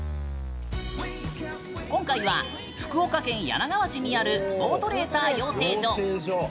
今回は福岡県柳川市にあるボートレーサー養成所。